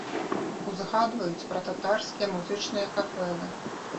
Узгадваюць пра татарскія музычныя капэлы.